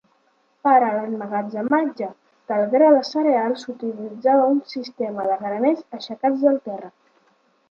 Per a l'emmagatzematge del gra de cereal s'utilitzava un sistema de graners aixecats del terra.